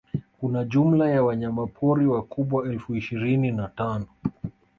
kuna jumla ya wanyamapori wakubwa elfu ishirini na tano